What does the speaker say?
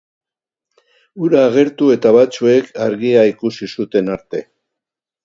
Hura agertu eta batzuek argia ikusi zuten arte.